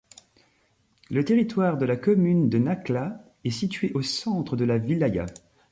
Le territoire de la commune de Nakhla est situé au centre de la wilaya.